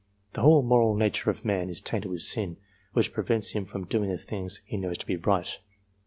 The whole moral nature of man is tainted with sin, which prevents him from doing the things he knows to be right.